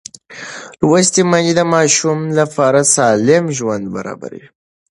لوستې میندې د ماشوم لپاره سالم ژوند برابروي.